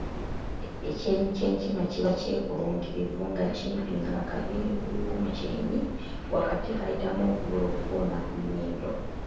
"Ekyenyi ky’enkima kiba kyekulungirivu, nga kimpi ng’akaviiri k’omukyenyi wakati kayitamu okubula okukoona ku nnyindo."